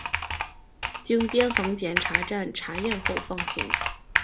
经边防检查站查验后放行。